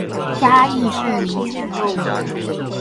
嘉義市民權路